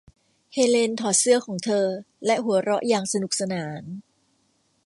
เฮเลนถอดเสื้อของเธอและหัวเราะอย่างสนุกสนาน